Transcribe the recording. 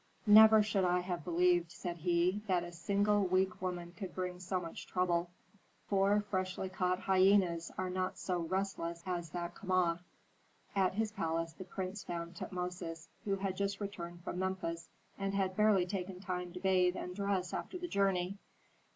"Never should I have believed," said he, "that a single weak woman could bring so much trouble. Four freshly caught hyenas are not so restless as that Kama!" At his palace the prince found Tutmosis, who had just returned from Memphis and had barely taken time to bathe and dress after the journey.